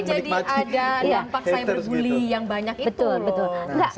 jadi ada dampak cyber bully yang banyak itu loh